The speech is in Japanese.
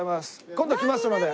今度来ますので。